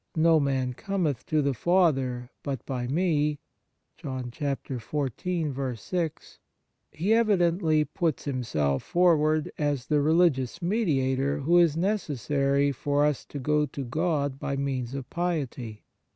No man cometh to the Father, but by Me,"f He evidently puts Himself forward as the religious Mediator who is necessary for us to go to God by means of piety.